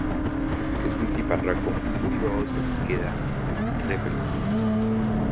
Es un tiparraco muy baboso que da repelús